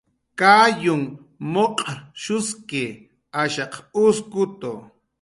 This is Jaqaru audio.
Kayunh muq'rshuski, ashaq uskutu